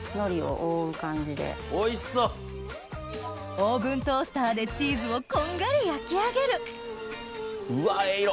オーブントースターでチーズをこんがり焼き上げるうわええ色！